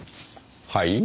はい？